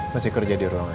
masih kerja di ruangan